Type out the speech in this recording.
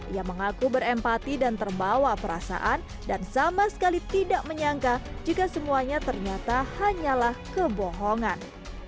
ia mengaku berempati dan terbawa perasaan dan sama sekali tidak menyangka jika semuanya ternyata hanyalah kebohongan